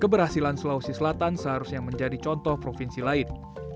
keberhasilan sulawesi selatan seharusnya menjadi contoh provinsi lain